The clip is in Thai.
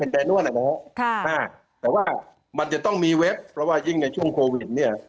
แต่นวลนะฮะแต่ว่ามันจะต้องมีเว็บเพราะว่ายิ่งในช่วงโควิดเนี่ย